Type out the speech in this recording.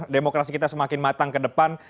demokrasi kita semakin matang ke depan